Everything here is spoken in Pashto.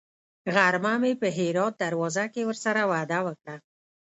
غرمه مې په هرات دروازه کې ورسره وعده وکړه.